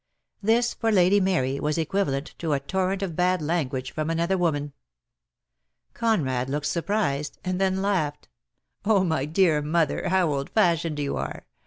163 This for Lady Mary was equivalent to a torrent of bad language from another woman. Conrad looked surprised, and then laughed. "Oh, my dear mother, how old fashioned you are!